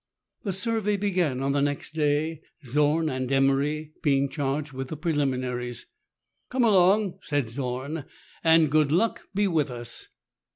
The survey began on the next day, Zorn and Emery being charged with the preliminaries. " Come along," said Zorn, " and good luck be with us."